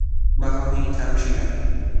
بهانهای تراشیدن